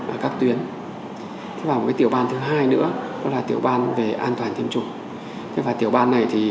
ở các tuyến và một cái tiểu ban thứ hai nữa đó là tiểu ban về an toàn tiêm chủng và tiểu ban này thì